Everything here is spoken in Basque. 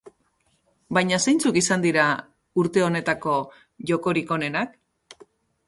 Baina zeintzuk izan dira urte honetako jokorik onenak?